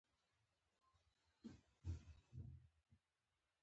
هغه شعار چې کار به اهل کار ته سپارل کېږي یو خیالي کیسه ده.